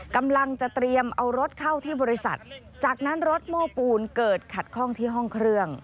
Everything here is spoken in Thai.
กำลังจะเตรียมเอารถเข้าที่บริษัทจากนั้นรถโม้ปูนเกิดขัดข้องที่ห้องเครื่อง